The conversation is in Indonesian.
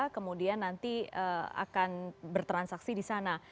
kemudian nanti akan bertransaksi di sana